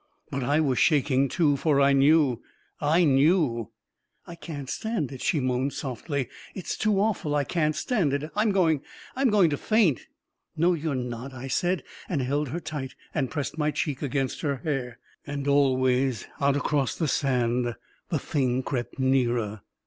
But I was shaking, too — for I knew 1 I knew ! 44 1 can't stand it I " she moaned softly. 44 It's too awful — I can't stand it 1 I'm going — I'm going to faint!" 44 No, you're not !" I said, and held her tight, and pressed my cheek against her hair ... And always, out across the sand, the thing crept nearer.